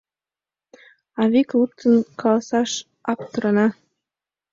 А вик луктын каласаш аптырана.